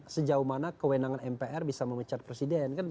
sejauh mana kewenangan mpr bisa memecat presiden